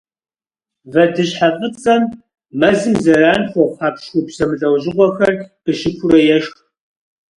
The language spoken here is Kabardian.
Вэдыщхьэфӏыцӏэм мэзым зэран хуэхъу хьэпщхупщ зэмылӏэужьыгъуэхэр къищыпурэ ешх.